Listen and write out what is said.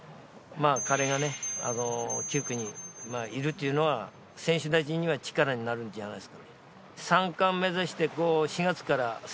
彼が９区にいるというのは選手たちには力になるじゃないですか。